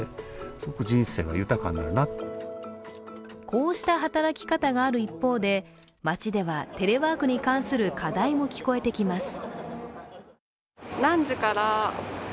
こうした働き方がある一方で街ではテレワークに関する課題も聞こえてきます。